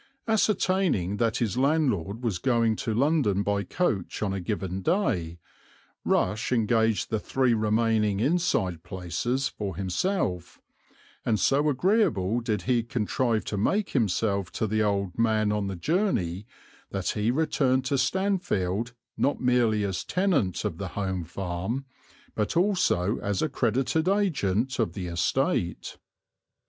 Ascertaining that his landlord was going to London by coach on a given day, Rush engaged the three remaining inside places for himself, and so agreeable did he contrive to make himself to the old man on the journey that he returned to Stanfield not merely as tenant of the Home Farm, but also as accredited agent of the estate.